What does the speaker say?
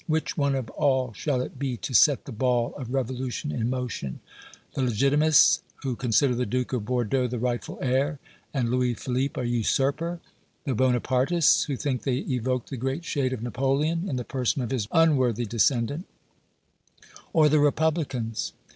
Which one of all shall it be to set the ball of revolution in motion? The Legitimists, who consider the Duke of Bordeaux the rightful heir, and Louis Philippe a usurper; the Bonapartists, who think they evoke the great shade of Napoleon in the person of his unworthy descendant; or the old Republicans?